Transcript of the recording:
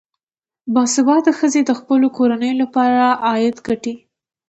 باسواده ښځې د خپلو کورنیو لپاره عاید ګټي.